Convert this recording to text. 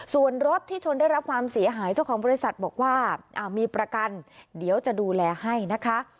ส่วนรถที่ชนได้รับความเสียหายเจ้าของบริษัทบอกว่ามีประกันเดี๋ยวจะดูแลให้นะคะ